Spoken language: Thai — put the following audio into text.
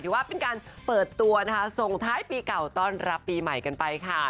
ว่าเป็นการเปิดตัวนะคะส่งท้ายปีเก่าต้อนรับปีใหม่กันไปค่ะ